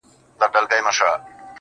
دا دی په وينو لژند يار سره خبرې کوي,